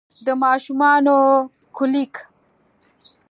د ماشومانه کولیک